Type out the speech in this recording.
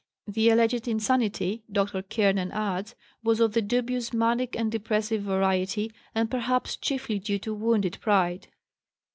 The alleged insanity, Dr. Kiernan adds, was of the dubious manic and depressive variety, and perhaps chiefly due to wounded pride.